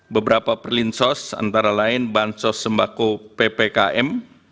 beberapa perlinsos antara lain bansos sembako ppkm